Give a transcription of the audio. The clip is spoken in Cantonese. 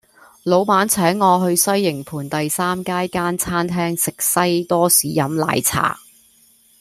老闆請我去西營盤第三街間餐廳食西多士飲奶茶